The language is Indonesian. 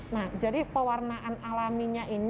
nah jadi pewarnaan alami